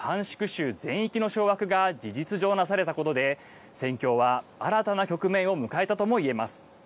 州全域の掌握が事実上なされたことで戦況は新たな局面を迎えたともいえます。